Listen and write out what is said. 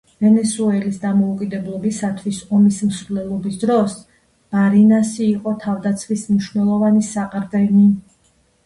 ვენესუელის დამოუკიდებლობისათვის ომის მსვლელობის დროს ბარინასი იყო თავდაცვის მნიშვნელოვანი საყრდენი.